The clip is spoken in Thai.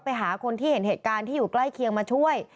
ไปหาคนที่เห็นเหตุการณ์ที่อยู่ใกล้เคียงมาช่วย